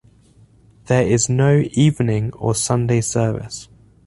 There is no evening or Sunday service.